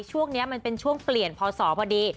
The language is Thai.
ช่วงนี้มันเป็นช่วงเปลี่ยนพศพอดี